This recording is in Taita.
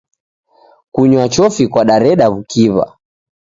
Kunywa chofi kwadareda w'ukiw'a.